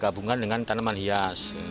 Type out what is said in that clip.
gabungan dengan tanaman hias